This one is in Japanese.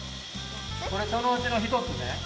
これそのうちのひとつね！